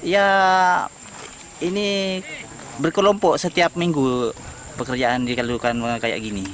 ya ini berkelompok setiap minggu pekerjaan dilakukan kayak gini